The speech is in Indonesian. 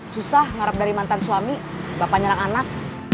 susah ngarap dari mantan suami bapak nyerang anak